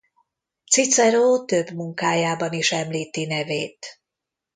Cicero több munkájában is említi nevét.